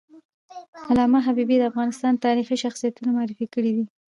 علامه حبیبي د افغانستان تاریخي شخصیتونه معرفي کړي دي.